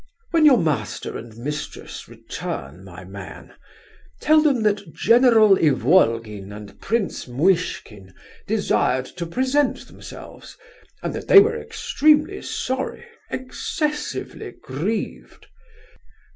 "When your master and mistress return, my man, tell them that General Ivolgin and Prince Muishkin desired to present themselves, and that they were extremely sorry, excessively grieved..."